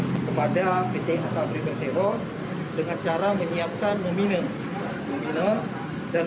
kepada pt asabri perseho dengan cara menyiapkan nomina dan membukakan akun nomina